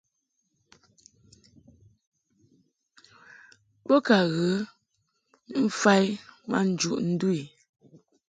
Bo ka ghə mfa i ma njuʼ ndu i.